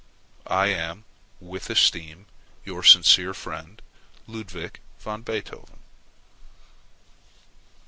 I am, with esteem, your sincere friend, LUDWIG VAN BEETHOVEN.